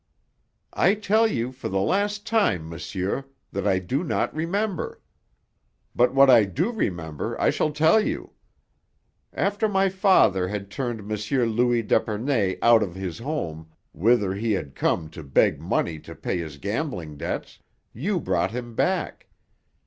"I tell you for the last time, monsieur, that I do not remember. But what I do remember I shall tell you. After my father had turned M. Louis d'Epernay out of his home, whither he had come to beg money to pay his gambling debts, you brought him back.